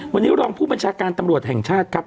วันนี้รองผู้บัญชาการตำรวจแห่งชาติครับ